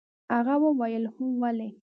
هغه وويل هو ولې.